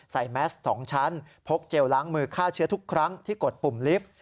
แมส๒ชั้นพกเจลล้างมือฆ่าเชื้อทุกครั้งที่กดปุ่มลิฟต์